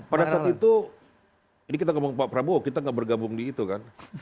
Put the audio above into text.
pada saat itu ini kita ngomong pak prabowo kita nggak bergabung di itu kan